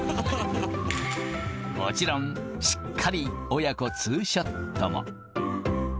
もちろん、しっかり親子ツーショットも。